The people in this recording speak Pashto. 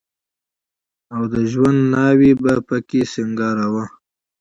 او د ژوند ناوې به په کې سينګار وه.